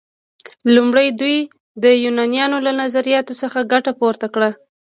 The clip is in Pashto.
لومړی دوی د یونانیانو له نظریاتو څخه ګټه پورته کړه.